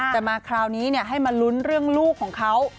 แต่มาคราวนี้ให้มาลุ้นเรื่องลูกของเขา